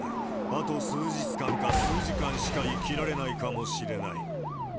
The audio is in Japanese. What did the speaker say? あと数日間か、数時間しか生きられないかもしれない。